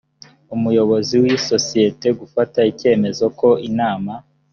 umuyobozi w isosiyete gufata icyemezo ko inama